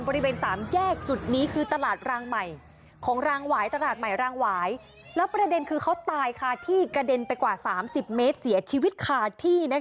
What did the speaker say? บริเวณสามแยกจุดนี้คือตลาดรางใหม่ของรางหวายตลาดใหม่รางหวายแล้วประเด็นคือเขาตายค่ะที่กระเด็นไปกว่า๓๐เมตรเสียชีวิตคาที่